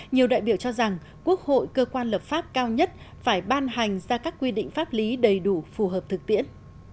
nhiều đại biểu cho rằng quốc hội cơ quan lập pháp cao nhất phải ban hành ra các quy định pháp lý đầy đủ phù hợp thực tiễn